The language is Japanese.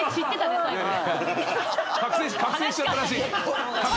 覚醒しちゃったらしいから。